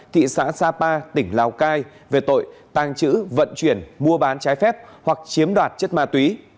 thị xã sapa tỉnh lào cai về tội tàng trữ vận chuyển mua bán trái phép hoặc chiếm đoạt chất ma túy